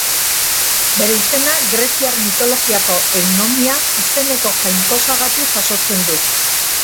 Bere izena greziar mitologiako Eunomia izeneko jainkosagatik jasotzen du.